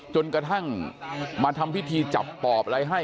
จนกระทั่งมาทำพิธีจับปอบอะไรให้